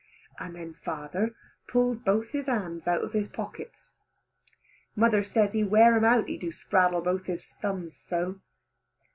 And then father pull both his hands out of his pockets. Mother say he wear them out he do spraddle both his thumbs so.